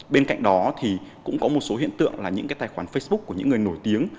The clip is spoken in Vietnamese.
bên cạnh đó thì cũng có một số hiện tượng là những cái tài khoản facebook của những người nổi tiếng